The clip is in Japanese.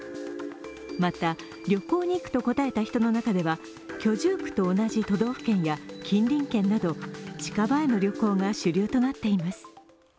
また、旅行に行くと答えた人の中では、居住区と同じ都道府県や近隣県など近場への旅行が主流となっています。